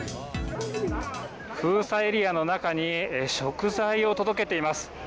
封鎖エリアの中に、食材を届けています。